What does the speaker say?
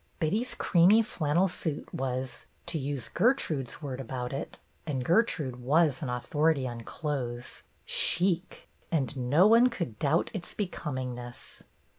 Betty's creamy flannel suit was, to use Gertrude's word about it — and Gertrude was an authority on clothes — '"chic," and no one could doubt its becomingness.